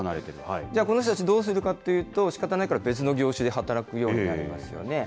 じゃあこの人たち、どうするかっていうと、しかたないから別の業種で働くようになりますよね。